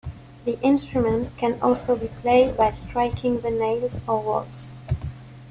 The instrument can also be played by striking the nails or rods.